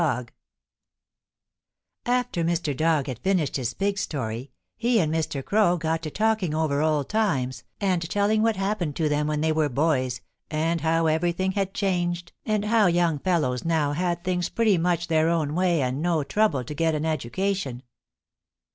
DOG After Mr. Dog had finished his pig story he and Mr. Crow got to talking over old times and telling what happened to them when they were boys and how everything had changed and how young fellows now had things pretty much their own way and no trouble to get an education.